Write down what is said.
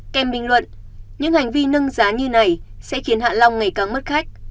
kèm bình luận những hành vi nâng giá như này sẽ khiến hạ long ngày càng mất khách